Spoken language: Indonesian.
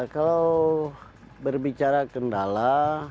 kalau berbicara kendala